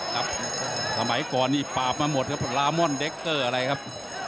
สมัยก่อนนี่ปราบมาหมดครับลาม่อนเด็กเกอร์อะไรครับ